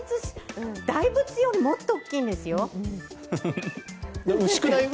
大仏よりもっと大きいんですよ。